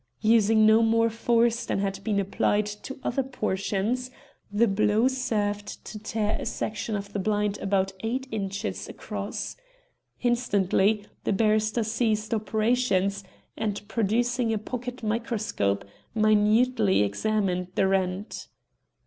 Using no more force than had been applied to other portions, the blow served to tear a section of the blind about eight inches across. Instantly the barrister ceased operations, and, producing a pocket microscope, minutely examined the rent.